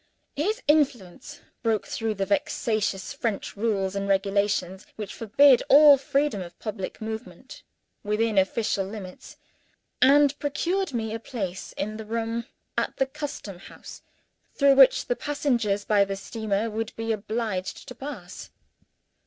His influence broke through the vexatious French rules and regulations which forbid all freedom of public movement within official limits, and procured me a place in the room at the custom house through which the passengers by the steamer would be obliged to pass.